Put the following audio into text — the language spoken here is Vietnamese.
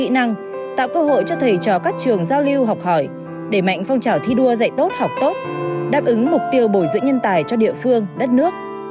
kỹ năng tạo cơ hội cho thầy trò các trường giao lưu học hỏi đẩy mạnh phong trào thi đua dạy tốt học tốt đáp ứng mục tiêu bồi giữ nhân tài cho địa phương đất nước